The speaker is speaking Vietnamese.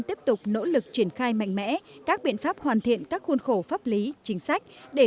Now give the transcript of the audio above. tiếp tục nỗ lực triển khai mạnh mẽ các biện pháp hoàn thiện các khuôn khổ pháp lý chính sách để